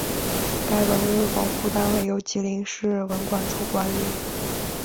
该文物保护单位由吉林市文管处管理。